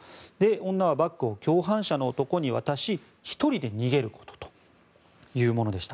女はバッグを共犯者の男に渡し１人で逃げるというものでした。